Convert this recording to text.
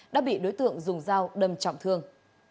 đã bị đối tượng dùng dao đâm trọng thương